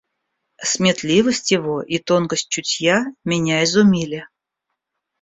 Сметливость его и тонкость чутья меня изумили.